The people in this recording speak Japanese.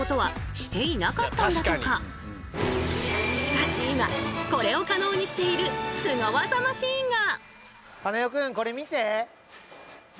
しかし今これを可能にしているスゴ技マシンが！